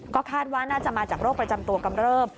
ก็คาดว่าน่าจะมาจากโรคประจำตัวกำเริบ